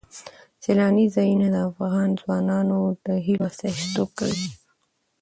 سیلانی ځایونه د افغان ځوانانو د هیلو استازیتوب کوي.